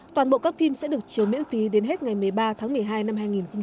toàn bộ các phim sẽ được chiếu miễn phí đến hết ngày một mươi ba tháng một mươi hai năm hai nghìn hai mươi